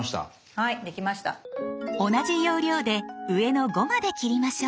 同じ要領で上の５まで切りましょう。